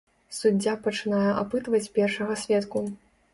Суддзя пачынае апытваць першага сведку.